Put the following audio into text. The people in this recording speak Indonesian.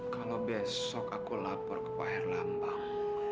kalau besok aku lapor ke pak erlambang